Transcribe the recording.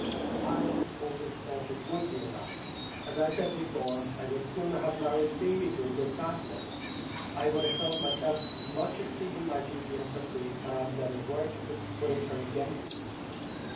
I always thought it would be a match; and though, as I said before, I would sooner have married Feemy to a good Catholic, I should have thought myself much exceeding my duty as her priest, had I said a word to persuade her against it.